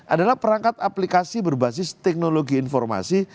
adalah perangkat aplikasi berbasis teknologi informasi